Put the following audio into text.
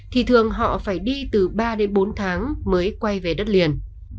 thì thường họ phải đi từ ba đến bốn tháng mới quay về đất liền